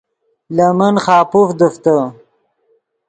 لے من خاپوف دیفتے